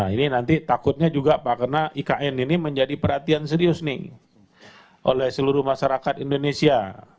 ini nanti takutnya juga pak karena ikn ini menjadi perhatian serius nih oleh seluruh masyarakat indonesia